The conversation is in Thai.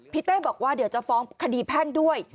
เต้บอกว่าเดี๋ยวจะฟ้องคดีแพ่งด้วย